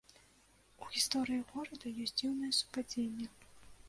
У гісторыі горада ёсць дзіўнае супадзенне.